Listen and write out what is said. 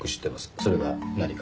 それが何か？